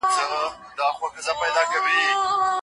د رڼا هره ذره د ده د روح لپاره درمل و.